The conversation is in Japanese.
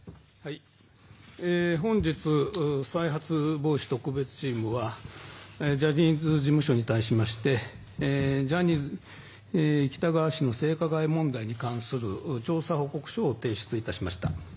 本日、再発防止特別チームはジャニーズ事務所に対しましてジャニー喜多川氏の性加害問題に関する調査報告書を提出いたしました。